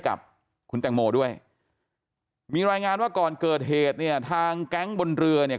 กับคุณแต่งโมด้วยไว้งานว่าก่อนเกิดเหตุทางกแก้งบนเรือเนี่ย